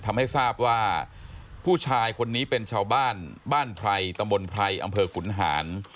ทำให้ทราบว่าผู้ชายคนนี้เป็นชาวบ้านบ้านไพรตำบลไพรอำเภอขุนหาร